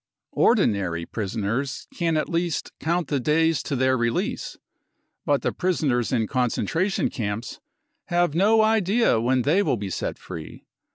Ordinary prisoners can at least count the days to their release, but the prisoners in concentration camps have no idea when they will be set free.